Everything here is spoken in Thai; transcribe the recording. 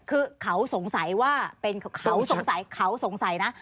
คือเขาสงสัยว่าเป็นเขาสงสัยเขาสงสัยนะ